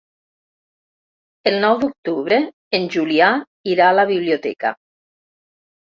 El nou d'octubre en Julià irà a la biblioteca.